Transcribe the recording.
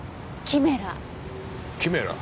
キメラ？